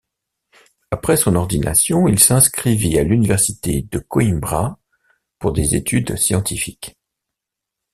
Après son ordination il s'inscrivit à l'université de Coimbra pour des études scientifiques.